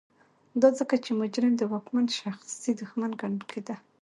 دا ځکه چې مجرم د واکمن شخصي دښمن ګڼل کېده.